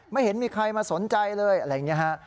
ไม่เห็นมีใครมาสนใจเลยอะไรอย่างนี้ฮะ